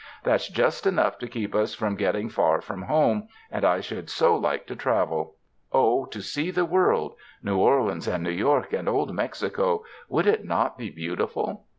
That's just enough to keep us from getting far from home, and I should so like to travel. Oh, to see the world — New Or leans and New York and old Mexico — would it not be beautiful!